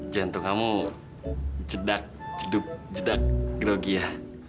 jantung kamu jedak jeduk jedak grogi ya